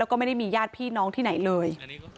แล้วก็ไม่ได้มีญาติพี่น้องที่ไหนเลย